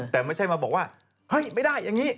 แต่ไม่ใช่มาบอกว่าเฮ้ยไม่ได้อย่างนี้